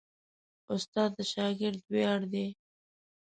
استاد د شاګرد ویاړ دی.